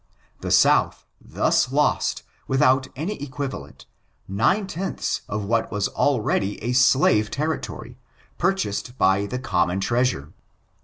The South thus lost, without any equivalent, nine tenths of what was already a slave territory, purchased by the common treasure.